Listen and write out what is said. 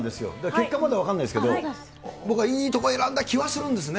結果まだ分かんないですけど、僕はいいとこ選んだ気はするんですね。